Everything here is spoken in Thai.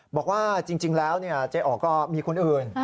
บอกว่าจริงแล้วเจ๊อ๋อก็มีคนอื่น